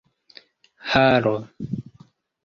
haro